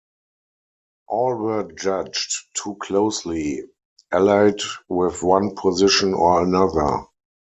All were judged too closely allied with one position or another.